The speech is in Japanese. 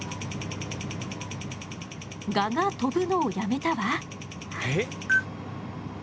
ガが飛ぶのをやめたわ。